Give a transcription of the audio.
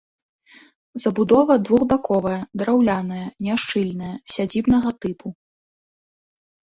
Забудова двухбаковая, драўляная, няшчыльная, сядзібнага тыпу.